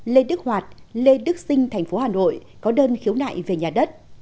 lê đức hoạt lê đức sinh tp hà nội có đơn khiếu nại về nhà đất